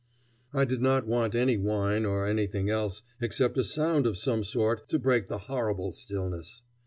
I did not want any wine or anything else except a sound of some sort to break the horrible stillness.